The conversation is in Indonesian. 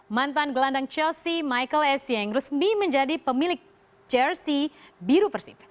mantan gelandang chelsea michael essieng resmi menjadi pemilik jersey biru persib